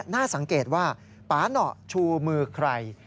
น่าสังเกตว่าปาหน่อชูมือใคร